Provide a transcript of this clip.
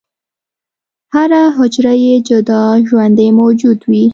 هره حجره یو جدا ژوندی موجود وي.